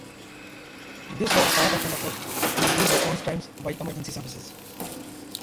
This was part of an effort to improve response times by emergency services.